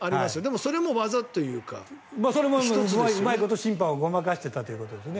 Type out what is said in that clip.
それもうまいこと審判をごまかしていたということですね。